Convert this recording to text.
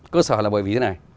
cơ sở là bởi vì thế này